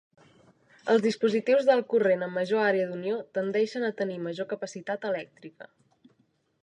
Els dispositius d'alt corrent amb major àrea d'unió tendeixen a tenir major capacitat elèctrica.